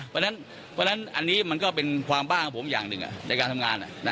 เพราะฉะนั้นอันนี้มันก็เป็นความบ้างของผมอย่างหนึ่งในการทำงาน